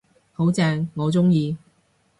好正，我鍾意